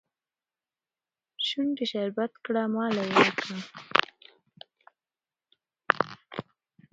شونډي شربت کړه ماله يې راکړه